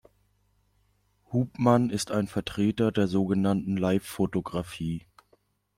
Hubmann ist ein Vertreter der so genannten Life-Fotografie.